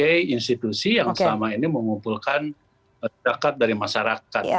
jadi institusi yang selama ini mengumpulkan zakat dari masyarakat